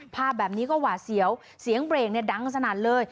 ภาพแบบนี้ก็หว่าเสียวเสียงเบรงดังสนัดเลย